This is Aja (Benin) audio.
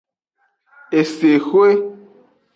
Esexwe.